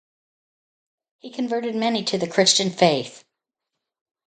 He converted many to the Christian faith.